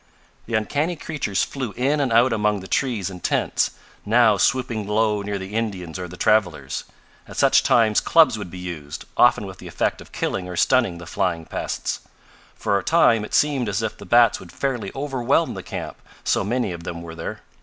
The uncanny creatures flew in and out among the trees and tents, now swooping low near the Indians or the travelers. At such times clubs would be used, often with the effect of killing or stunning the flying pests. For a time it seemed as if the bats would fairly overwhelm the camp, so many of them were there.